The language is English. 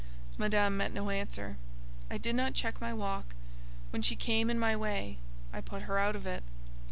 Madame met no answer: I did not check my walk; when she came in my way, I put her out of it.